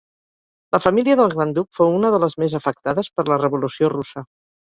La família del gran duc fou una de les més afectades per la Revolució Russa.